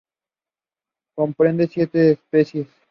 Comprende siete especies.